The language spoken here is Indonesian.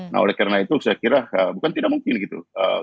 nah oleh karena itu saya kira bukan tidak mungkin gitu